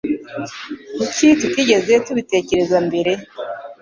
Kuki tutigeze tubitekereza mbere